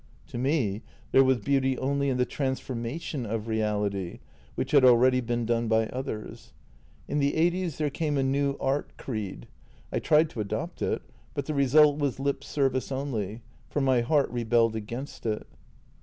To me there was beauty only in the transformation of reality, which had already been done by others. In the eighties there came a new art creed. I tried to adopt it, but the result was lip service only, for my heart rebelled against it."